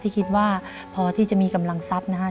คิดว่าพอที่จะมีกำลังทรัพย์นะครับ